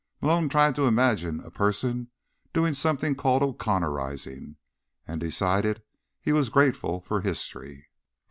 Malone tried to imagine a person doing something called O'Connorizing, and decided he was grateful for history.